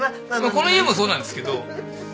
この家もそうなんですけど。